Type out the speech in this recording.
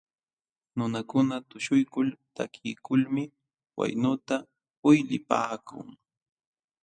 Nunakuna tuśhuykul takiykulmi waynuta uylipaakun.